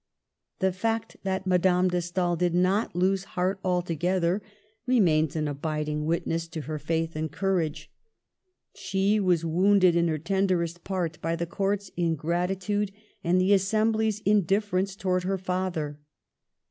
The fact that Madame de Stael did not lose heart altogether remains an abiding witness to her faith and courage. She was wounded in her tenderest part by the Court's ingratitude and the Assembly's indifference towards her father.